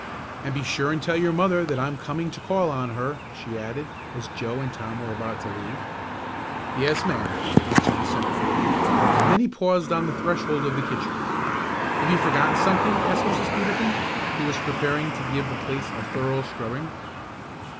"And be sure and tell your mother that I'm coming to call on her," she added, as Joe and Tom were about to leave. "Yes, ma'am," answered the centre fielder, and then he paused on the threshold of the kitchen. "Have you forgotten something?" asked Mrs. Peterkin, who was preparing to give the place a thorough scrubbing.